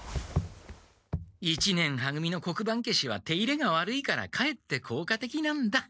一年は組の黒板けしは手入れがわるいからかえってこうかてきなんだ！